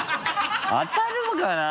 当たるのかな？